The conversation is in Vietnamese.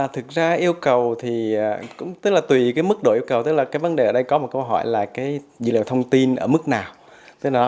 thực ra yêu cầu thì tùy mức độ yêu cầu tức là vấn đề ở đây có một câu hỏi là dữ liệu thông tin ở mức nào